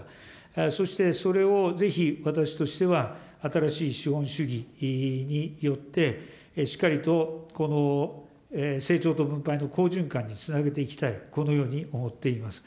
そしてそれをぜひ私としては新しい資本主義によって、しっかりと成長と分配の好循環につなげていきたい、このように思っています。